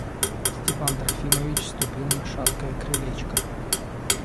Степан Трофимович ступил на шаткое крылечко.